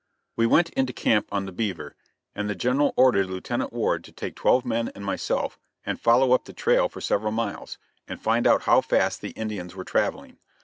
We went into camp on the Beaver, and the General ordered Lieutenant Ward to take twelve men and myself and follow up the trail for several miles, and find out how fast the Indians were traveling.